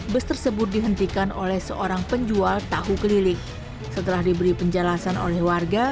bus tersebut dihentikan oleh seorang penjual tahu keliling setelah diberi penjelasan oleh warga